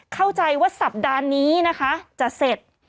เข้าใจว่าสัปดาห์นี้นะคะจะเสร็จ